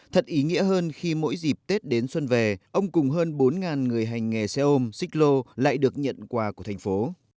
thật ý nghĩa hơn khi mỗi dịp tết đến xuân về ông cùng hơn bốn người hành nghề xe ôm xích lô lại được nhận quà của thành phố